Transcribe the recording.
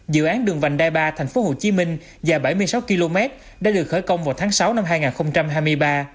dự án đường vành đai ba tp hcm dài bảy mươi sáu km đã được khởi công vào tháng sáu năm hai nghìn hai mươi ba